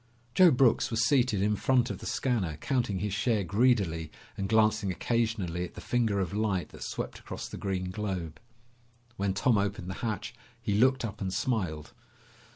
Joe Brooks was seated in front of the scanner counting his share greedily and glancing occasionally at the finger of light that swept across the green globe. When Tom opened the hatch, he looked up and smiled.